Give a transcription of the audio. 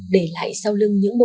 để lại sau lưng